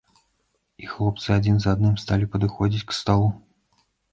І хлопцы адзін за адным сталі падыходзіць к сталу.